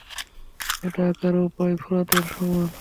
এটি আকারেও প্রায় ফোরাতের সমান।